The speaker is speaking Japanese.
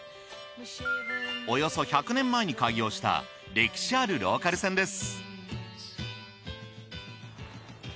およそ１００年前に開業した歴史あるローカル線です。